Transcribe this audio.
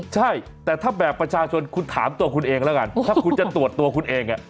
ใช่แต่ถ้าแบบประชาชนคุณถามตัวคุณเองแล้วกันถ้าคุณจะตรวจตัวคุณเอง